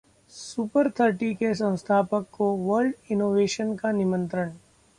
super thirty के संस्थापक को वर्ल्ड इनोवेशन का निमंत्रण